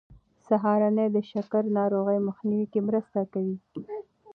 سهارنۍ د شکر ناروغۍ مخنیوی کې مرسته کوي.